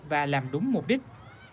và làm đúng mục đích